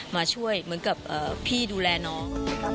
มาช่วยเหมือนกับพี่ดูแลน้อง